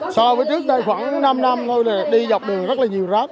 so với trước đây khoảng năm năm thôi đi dọc đường rất là nhiều rác